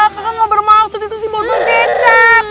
kakak ga bermaksud itu si bodoh kecap